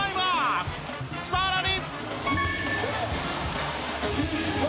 さらに。